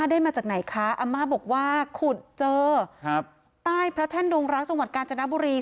ได้มาจากไหนคะอาม่าบอกว่าขุดเจอครับใต้พระแท่นดงรักจังหวัดกาญจนบุรี